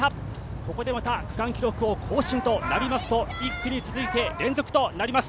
ここでまた区間記録を更新となりますと１区に続いて連続となります。